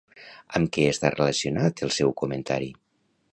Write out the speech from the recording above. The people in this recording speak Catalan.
Amb què està relacionat el seu comentari?